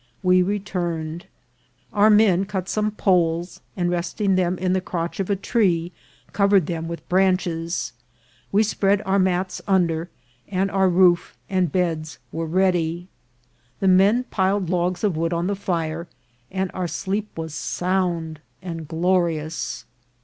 We returned. Our men cut some poles, and resting them in the crotch of a tree, cov ered them with branches. We spread our mats under, A CHURCH IN RUINS. 245 and our roof and beds were ready. The men piled logs of wood on the fire, and our sleep was sound and glo* rious.